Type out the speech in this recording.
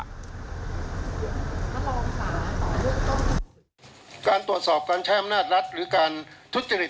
สำราชาบินตรี